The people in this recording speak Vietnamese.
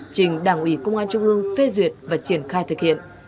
trình đảng ủy công an trung ương phê duyệt và triển khai thực hiện